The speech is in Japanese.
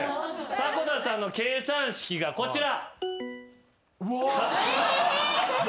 迫田さんの計算式がこちら。